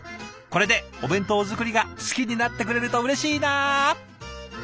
これでお弁当作りが好きになってくれるとうれしいな！